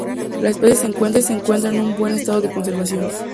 La especie se encuentra en un buen estado de conservación.